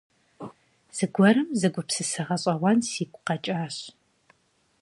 Зэгуэрым зы гупсысэ гъэщӀэгъуэн сигу къэкӀащ.